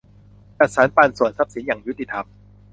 จัดสรรปันส่วนทรัพย์สินอย่างยุติธรรม